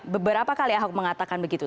beberapa kali ahok mengatakan begitu